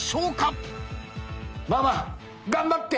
ママ頑張って！